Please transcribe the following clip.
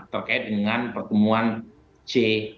terkait dengan pertemuan c